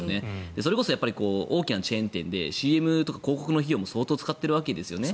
それこそ大きなチェーン店でＣＭとか広告の費用も相当使っているわけですよね。